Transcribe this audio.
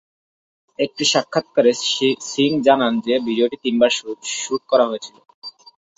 একটি সাক্ষাত্কারে সিং জানান যে ভিডিওটি তিনবার শ্যুট করা হয়েছিল।